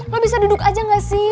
lo bisa duduk aja gak sih